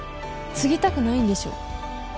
継ぎたくないんでしょ？